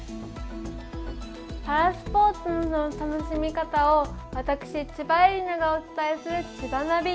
パラスポーツの楽しみ方を私、千葉絵里菜がお送りする「ちばナビ」。